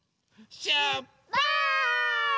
しゅっぱつ！